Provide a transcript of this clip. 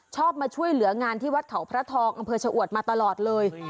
มาช่วยเหลืองานที่วัดเขาพระทองอำเภอชะอวดมาตลอดเลย